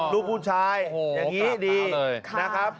ลูกผู้ชายอย่างนี้ดีนะครับ